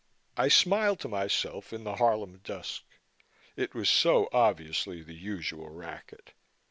I smiled to myself in the Harlem dusk. It was so obviously the usual racket.